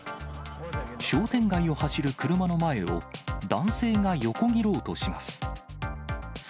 商店街を走る車の前を、男性が横切ろうとします。